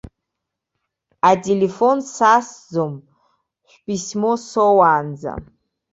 Ателефон сасӡом шәписьмо соуаанӡа.